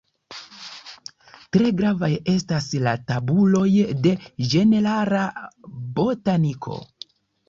Tre gravaj estas la tabuloj de ĝenerala botaniko.